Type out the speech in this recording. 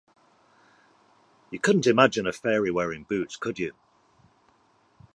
You couldn’t imagine a fairy wearing boots, could you?